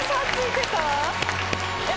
えっ！